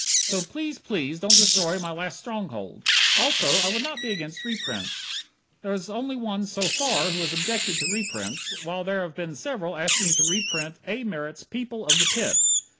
So please, please, don't destroy my last stronghold. Also, I would not be against reprints. There is only one so far who has objected to reprints, while there have been several asking you to reprint A. Merritt's "People of the Pit."